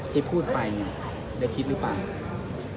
ที่พูดไปได้คิดรึเปล่า